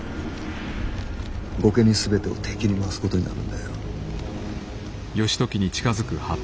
御家人全てを敵に回すことになるんだよ。